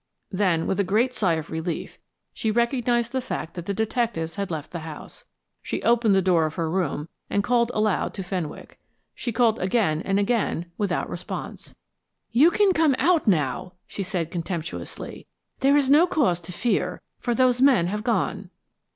Then, with a great sigh of relief, she recognised the fact that the detectives had left the house. She opened the door of her room and called aloud to Fenwick. She called again and again without response. "You can come out," she said, contemptuously. "There is no cause to fear, for those men have gone."